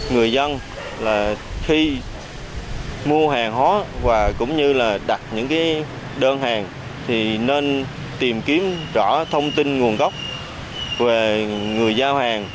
người dân là khi mua hàng hóa và cũng như là đặt những đơn hàng thì nên tìm kiếm rõ thông tin nguồn gốc về người giao hàng